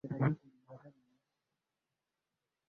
Eneo la kitongoji duni nchini Argentina Amerika ya Kusini